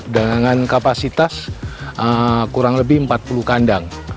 dengan kapasitas kurang lebih empat puluh kandang